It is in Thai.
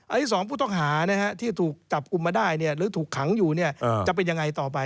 อันนี้๒ผู้ต้องหาที่ถูกจับกลุ่มมาได้หรือถูกขังอยู่จะเป็นยังไงต่อไป